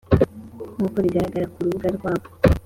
nkuko bigaragara ku rubuga rwabo